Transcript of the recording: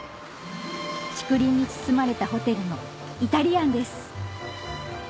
竹林に包まれたホテルのイタリアンです